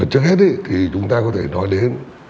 trước hết thì chúng ta có thể nói đến